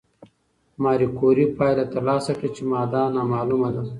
ماري کوري پایله ترلاسه کړه چې ماده نامعلومه ده.